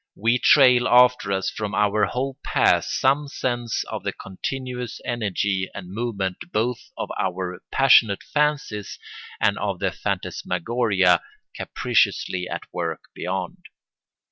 We trail after us from our whole past some sense of the continuous energy and movement both of our passionate fancies and of the phantasmagoria capriciously at work beyond.